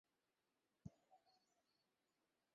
তাতার ক্ষুদ্র হৃদয় যেন অত্যন্ত অন্ধকার হইয়া গেল।